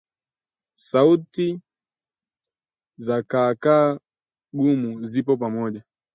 Sauti za kaakaa gumu zipo pamoja